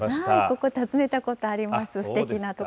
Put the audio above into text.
ここ、訪ねたことあります。